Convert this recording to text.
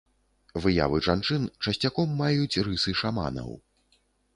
Выявы жанчын часцяком маюць рысы шаманаў.